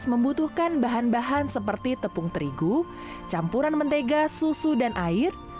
membutuhkan bahan bahan seperti tepung terigu campuran mentega susu dan air